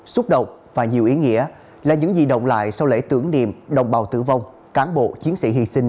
xúc động và nhiều ý nghĩa là những gì động lại sau lễ tưởng niệm đồng bào tử vong cán bộ chiến sĩ hy sinh